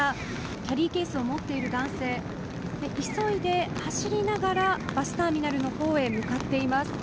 キャリーケースを持っている男性急いで走りながらバスターミナルの方へ向かっていきます。